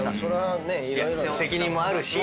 責任もあるし